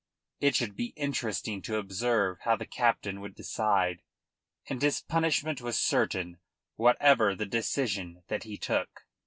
It should be interesting to observe how the captain would decide, and his punishment was certain whatever the decision that he took.